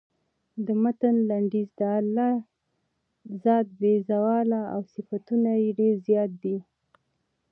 د متن لنډیز د الله ذات بې زواله او صفتونه یې ډېر زیات دي.